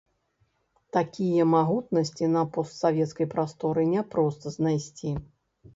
Такія магутнасці на постсавецкай прасторы няпроста знайсці.